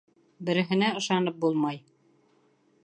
Береһенә ышанып булмай.